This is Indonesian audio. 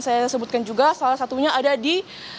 saya sebutkan juga salah satunya ada di